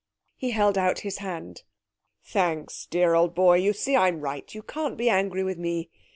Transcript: He held out his hand. 'Thanks, dear old boy. You see I'm right. You can't be angry with me....